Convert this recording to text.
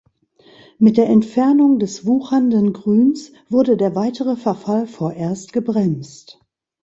Mit der Entfernung des wuchernden Grüns wurde der weitere Verfall vorerst gebremst.